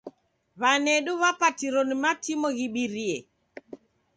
W'anedu w'apatiro ni matimo ghibirie.